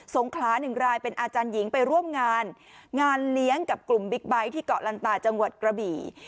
งขลาหนึ่งรายเป็นอาจารย์หญิงไปร่วมงานงานเลี้ยงกับกลุ่มบิ๊กไบท์ที่เกาะลันตาจังหวัดกระบี่